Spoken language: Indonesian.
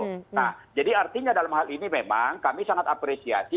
nah jadi artinya dalam hal ini memang kami sangat apresiasi